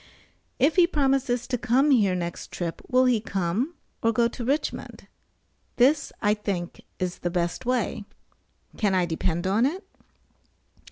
If he promises to come here next trip, will he come, or go to Richmond? This I think is the best way. Can I depend on it?